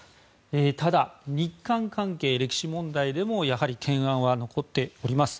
ただ、日韓関係、歴史問題でもやはり懸案は残っております。